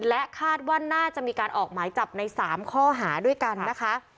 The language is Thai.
และคาดว่าน่าจะมีการออกหมายจับใน๓ข้อหาด้วยกันนะคะ